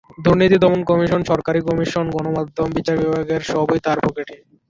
দুর্নীতি দমন কমিশন, সরকারি কর্মকমিশন, গণমাধ্যম, বিচার বিভাগ সবই তার পকেটে।